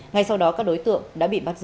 ngay sau đó các đối tượng đã bị bắt giữ